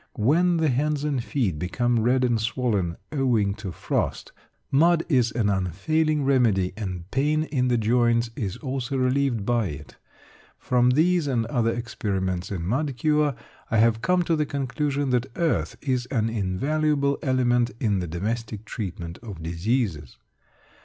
When the hands and feet become red and swollen owing to frost, mud is an unfailing remedy, and pain in the joints is also relieved by it. From these and other experiments in mud cure, I have come to the conclusion that earth is an invaluable element in the domestic treatment of diseases.